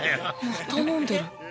また飲んでる。